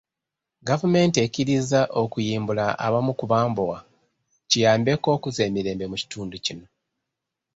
Gavumenti ekkiriza okuyimbula abamu ku bambowa, kiyambeko okuzza emirembe mu kitundu kino.